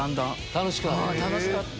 楽しかった。